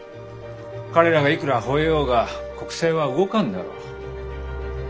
彼らがいくらほえようが国政は動かんだろう？